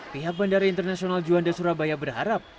pihak bandara internasional juanda surabaya berharap